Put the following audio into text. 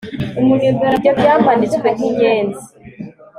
Ibyo byamanitswe nkinyenzi